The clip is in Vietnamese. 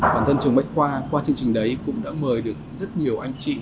bản thân trường bách khoa qua chương trình đấy cũng đã mời được rất nhiều anh chị